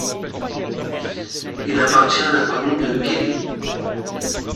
Il appartient à la commune de Kiili.